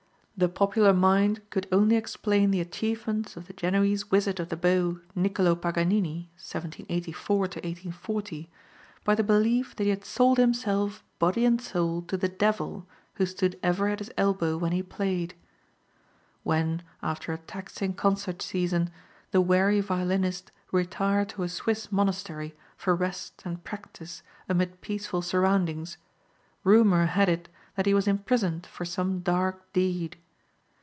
The popular mind could only explain the achievements of the Genoese wizard of the bow, Nicolo Paganini (1784 1840) by the belief that he had sold himself body and soul to the devil who stood ever at his elbow when he played. When, after a taxing concert season, the weary violinist retired to a Swiss monastery for rest and practice amid peaceful surroundings, rumor had it that he was imprisoned for some dark deed.